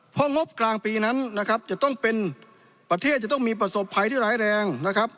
เพราะงบกลางปีนั้นประเทศจะต้องมีประสบภัยที่ร้ายแรง